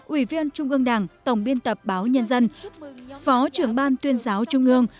ủy viên trung ương đảng tổng biên tập báo nhân dân phó trưởng ban tuyên giáo trung ương